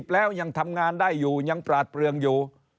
แล้วยังทำงานได้อยู่ยังปราดเปลืองอยู่